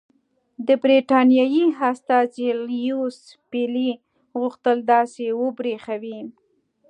د برټانیې استازي لیویس پیلي غوښتل داسې وبرېښوي.